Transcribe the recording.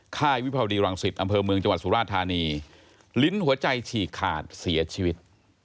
ค่ายวิภาวดีรังสิตอำเภอเมืองจังหวัดสุราธานีลิ้นหัวใจฉีกขาดเสียชีวิต